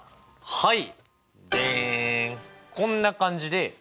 はい。